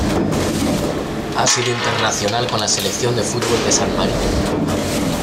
Ha sido internacional con la selección de fútbol de San Marino.